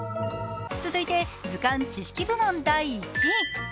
続いて図鑑・ちしき部門第１位。